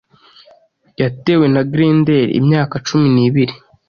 Yatewe na Grendel imyaka cumi nibiri